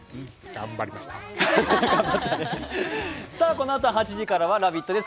このあとは８時からは「ラヴィット！」です